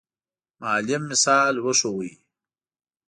معلم مثال وښود.